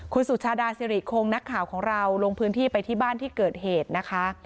คุณสุชาดาสิริคงนักข่าวของเราลงพื้นที่ไปที่บ้านที่เกิดเหตุนะคะ